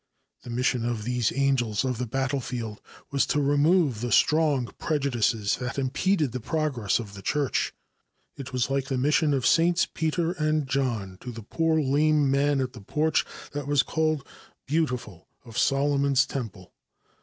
The mission of these "Angels of the Battlefield" was to remove the strong prejudices that impeded the progress of the Church. It was like the mission of Saints Peter and John to the poor lame man at the porch that was called beautiful of Solomon's temple.